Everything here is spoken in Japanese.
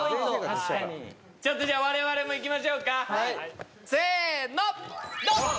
ちょっとじゃあ我々もいきましょうかせーのドン！